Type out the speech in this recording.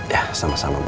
ya sama sama bu